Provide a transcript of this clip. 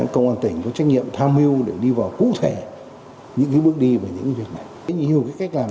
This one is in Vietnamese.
công an tỉnh có trách nhiệm tham hưu để đi vào cụ thể những bước đi về những việc này